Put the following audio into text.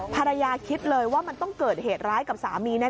ภรรยาคิดเลยว่ามันต้องเกิดเหตุร้ายกับสามีแน่